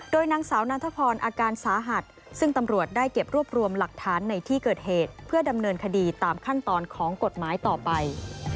โดยนางสาวนันทพรอาการสาหัสซึ่งตำรวจได้เก็บรวบรวมหลักฐานในที่เกิดเหตุเพื่อดำเนินคดีตามขั้นตอนของกฎหมายต่อไป